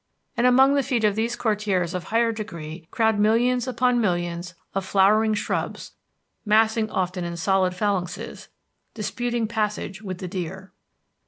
And among the feet of these courtiers of higher degree crowd millions upon millions of flowering shrubs, massing often in solid phalanxes, disputing passage with the deer.